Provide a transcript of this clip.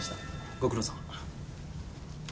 ご苦労さま。